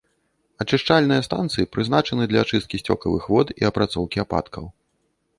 Ачышчальныя станцыі прызначаны для ачысткі сцёкавых вод і апрацоўкі ападкаў.